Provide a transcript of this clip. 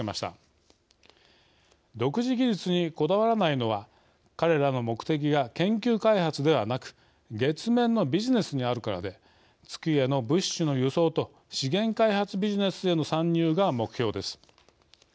独自技術にこだわらないのは彼らの目的が研究開発ではなく月面のビジネスにあるからで月への物資の輸送と資源開発ビジネスへの参入が目標です。